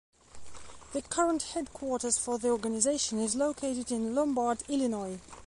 The current headquarters for the organization is located in Lombard, Illinois.